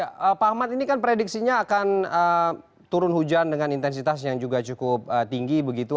ya pak ahmad ini kan prediksinya akan turun hujan dengan intensitas yang juga cukup tinggi begitu